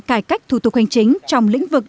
cải cách thủ tục hành chính trong lĩnh vực